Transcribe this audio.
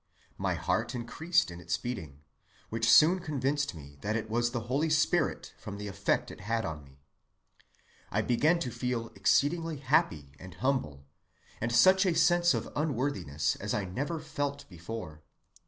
My heart increased in its beating, which soon convinced me that it was the Holy Spirit from the effect it had on me. I began to feel exceedingly happy and humble, and such a sense of unworthiness as I never felt before.